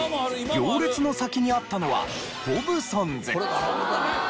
行列の先にあったのはホブソンズ。